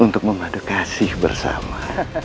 untuk memaduk kasih bersama